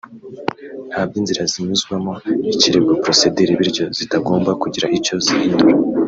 nta by’inzira zinyuzwamo ikirego [procedure] bityo zitagomba kugira icyo zihindura